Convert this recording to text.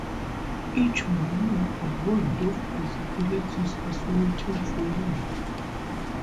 Each morning, a world of possibilities is waiting for you.